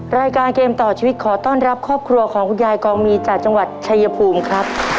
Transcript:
รายการเกมต่อชีวิตขอต้อนรับครอบครัวของคุณยายกองมีจากจังหวัดชายภูมิครับ